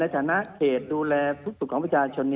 ในฐานะเกตรูแลทุกตุของประชาชน